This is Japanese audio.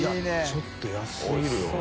ちょっと安すぎるよな。